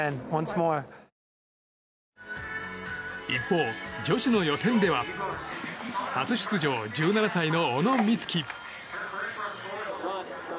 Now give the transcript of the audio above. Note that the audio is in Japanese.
一方、女子の予選では初出場、１７歳の小野光希。